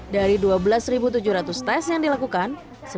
dari dua belas tujuh ratus tes yang dilakukan